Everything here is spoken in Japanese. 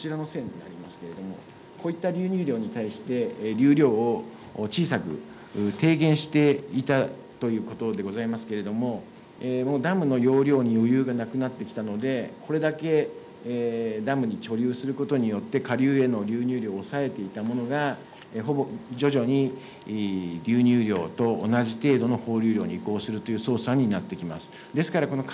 線のとおりですね、こちらの線になりますけれども、こういった流入量に対して流量を小さく低減していたということでございますけれども、もうダムの容量に余裕がなくなってきたので、これだけダムに貯留することによって、下流への流入量をおさえていたものが、ほぼ徐々に流入量と同じ程度の放流量に移行するという操作になってきています。